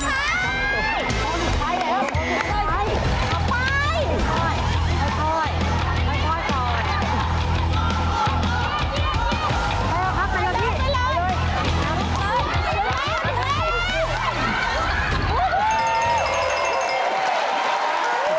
หือ